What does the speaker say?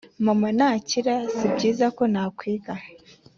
mama nakira sibyiza ko na kwiga